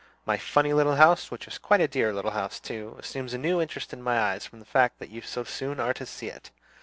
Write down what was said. My funny little house, which is quite a dear little house too, assumes a new interest in my eyes from the fact that you so soon are to see it.